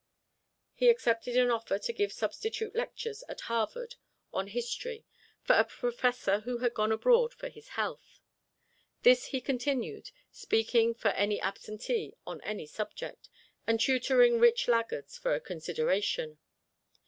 He accepted an offer to give substitute lectures at Harvard on history, for a professor who had gone abroad for his health. This he continued, speaking for any absentee on any subject, and tutoring rich laggards for a consideration.